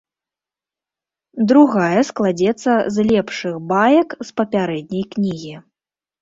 Другая складзецца з лепшых баек з папярэдняй кнігі.